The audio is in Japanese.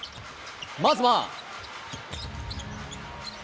まずは。